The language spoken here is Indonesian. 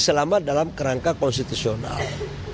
selama dalam kerangka konstitusional